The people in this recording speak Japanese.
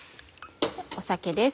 酒です。